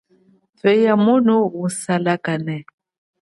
Thweya umu salakane.